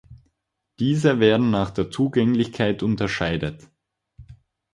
Diese werden nach der Zugänglichkeit unterscheidet.